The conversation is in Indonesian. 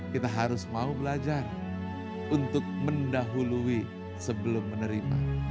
kita harus mau belajar untuk mendahului sebelum menerima